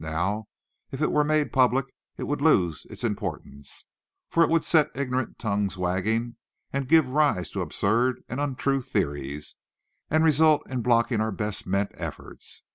Now, if it were made public, it would lose its importance, for it would set ignorant tongues wagging, and give rise to absurd and untrue theories, and result in blocking our best meant efforts.